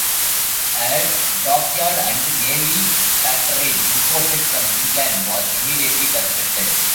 A dockyard and navy factorage imported from England was immediately constructed.